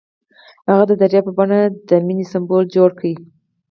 هغه د دریاب په بڼه د مینې سمبول جوړ کړ.